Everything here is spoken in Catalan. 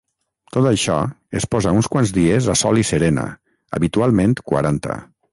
Tot això es posa uns quants dies a sol i serena, habitualment quaranta.